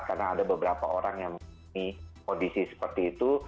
karena ada beberapa orang yang mengalami kondisi seperti itu